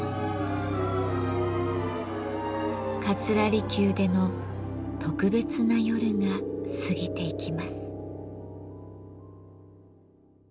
桂離宮での特別な夜が過ぎていきます。